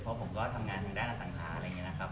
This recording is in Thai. เพราะผมก็ทำงานทางด้านอสังหาอะไรอย่างนี้นะครับ